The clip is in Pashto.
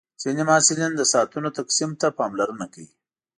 ځینې محصلین د ساعتونو تقسیم ته پاملرنه کوي.